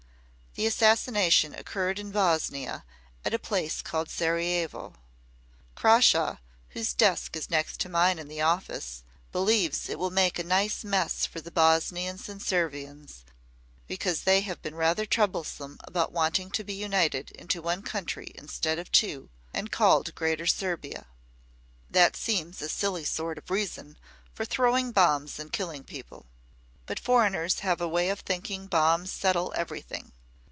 The assassination occurred in Bosnia at a place called Sarajevo. Crawshaw, whose desk is next to mine in the office, believes it will make a nice mess for the Bosnians and Servians because they have been rather troublesome about wanting to be united into one country instead of two, and called Greater Serbia. That seems a silly sort of reason for throwing bombs and killing people. But foreigners have a way of thinking bombs settle everything.